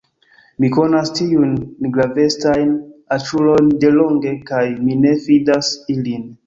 Mi konas tiujn nigravestajn aĉulojn delonge, kaj mi ne fidas ilin.